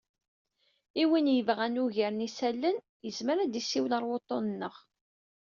I win yebɣan ugar n yisallen, yezmer ad issiwel ɣer wuṭṭun-nneɣ.